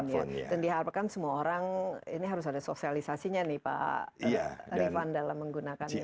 dan diharapkan semua orang ini harus ada sosialisasinya nih pak rifan dalam menggunakannya